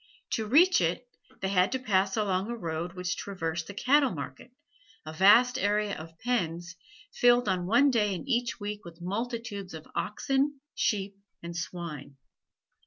To reach it, they had to pass along a road which traversed the cattle market, a vast area of pens, filled on one day in each week with multitudes of oxen, sheep, and swine.